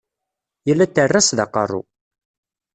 Yal aterras d aqeṛṛu.